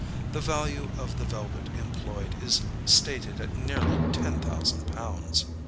The value of the velvet employed, is stated at nearly ten thousand pounds.